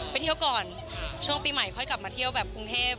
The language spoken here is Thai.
ไปเที่ยวก่อนช่วงปีใหม่ค่อยกลับมาเที่ยวแบบกรุงเทพ